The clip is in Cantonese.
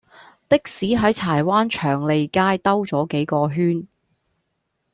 的士喺柴灣祥利街兜左幾個圈